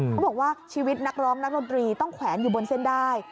เขาบอกว่าชีวิตนักร้องนักดนตรีต้องแขวนอยู่บนเส้นได้